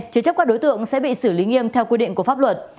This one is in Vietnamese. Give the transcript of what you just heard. chứa chấp các đối tượng sẽ bị xử lý nghiêm theo quy định của pháp luật